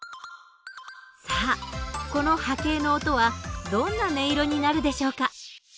さあこの波形の音はどんな音色になるでしょうか？